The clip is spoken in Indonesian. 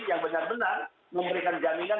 yang benar benar memberikan jaminan